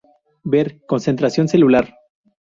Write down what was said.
Ver: concentración celular.